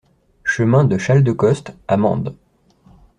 Chemin de Chaldecoste à Mende